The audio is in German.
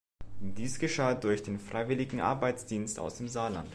Dies geschah durch den Freiwilligen Arbeitsdienst aus dem Saarland.